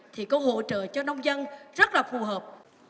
thì có hỗ trợ cho nông dân rất là phù hợp